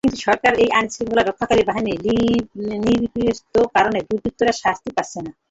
কিন্তু সরকার এবং আইনশৃঙ্খলা রক্ষাকারী বাহিনীর নির্লিপ্ততার কারণে দুর্বৃত্তরা শাস্তি পাচ্ছে না।